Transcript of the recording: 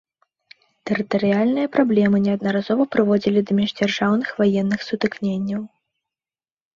Тэрытарыяльныя праблемы неаднаразова прыводзілі да міждзяржаўных ваенных сутыкненняў.